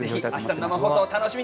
生放送楽しみに